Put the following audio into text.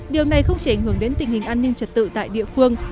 điều này không chỉ ảnh hưởng đến tình hình an ninh trật tự tại địa phương